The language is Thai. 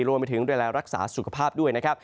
รวมไปถึงดูแลรักษาสุขภาพด้วยนะครับ